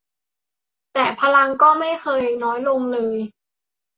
แต่พลังก็ไม่เคยน้อยลงเลย